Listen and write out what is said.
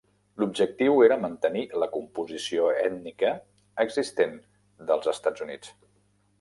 L'objectiu era mantenir la composició ètnica existent dels Estats Units.